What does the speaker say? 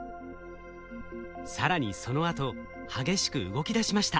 更にそのあと激しく動きだしました。